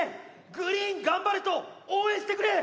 グリーン頑張れと応援してくれ！